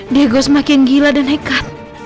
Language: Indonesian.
dego semakin gila dan nekat